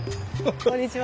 こんにちは。